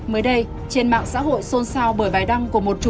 mới đây trên mạng xã hội xôn xao bởi bài đăng của một chủ